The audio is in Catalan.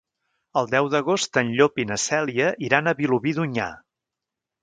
El deu d'agost en Llop i na Cèlia iran a Vilobí d'Onyar.